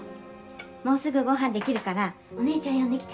もうすぐごはん出来るからお姉ちゃん呼んできて。